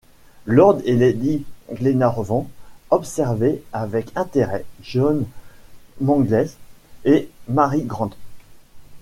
Lord et lady Glenarvan observaient avec intérêt John Mangles et Mary Grant.